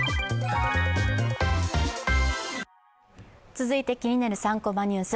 続いて気になる「３コマニュース」